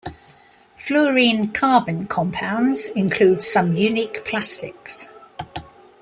Fluorine-carbon compounds include some unique plastics.